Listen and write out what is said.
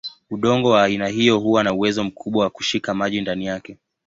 Udongo wa aina hiyo huwa na uwezo mkubwa wa kushika maji ndani yake.